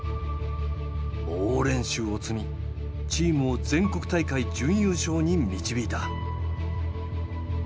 猛練習を積みチームを全国大会準優勝に導いた。